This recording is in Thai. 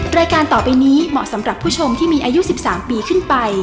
รายการต่อไปนี้เหมาะสำหรับผู้ชมที่มีอายุ๑๓ปีขึ้นไป